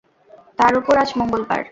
তার ওপর আজ মঙ্গলবার।